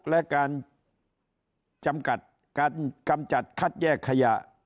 และการกำจัดคัดแยกขยะ